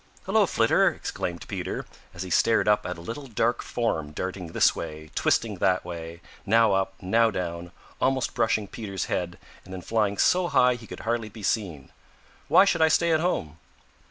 "Hello, Flitter!" exclaimed Peter, as he stared up at a little dark form darting this way, twisting that way, now up, now down, almost brushing Peter's head and then flying so high he could hardly be seen. "Why should I stay at home?"